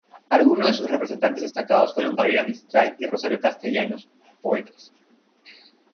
Algunos de sus representantes destacados fueron Gabriela Mistral y Rosario Castellanos, poetas.